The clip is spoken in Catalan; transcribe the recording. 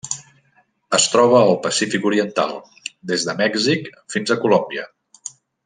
Es troba al Pacífic oriental: des de Mèxic fins a Colòmbia.